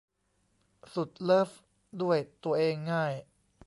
สุดเลิฟด้วยตัวเองง่าย